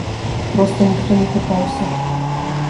Проста ніхто не пытаўся.